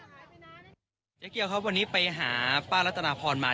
ฟังหน่อยนะครับเจ๊เกี๊ยวเขาวันนี้ไปหาป้ารัตนาพรมา